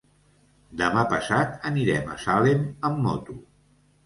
Demà passat anirem a Salem amb moto.